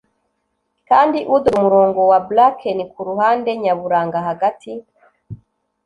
kandi udoda umurongo wa bracken kuruhande nyaburanga. hagati